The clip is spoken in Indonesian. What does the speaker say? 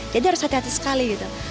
jadi harus hati hati sekali gitu